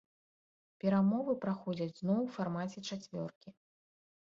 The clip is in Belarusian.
Перамовы праходзяць зноў у фармаце чацвёркі.